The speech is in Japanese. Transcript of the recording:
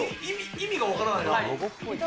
意味が分からないな。